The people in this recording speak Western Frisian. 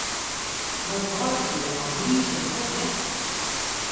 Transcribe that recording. Wat waait it hjir ôfgryslike hurd, net?